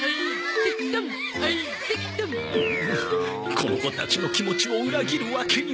この子たちの気持ちを裏切るわけには。